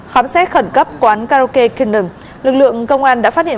khám xét khẩn cấp quán karaoke kingnon lực lượng công an đã phát hiện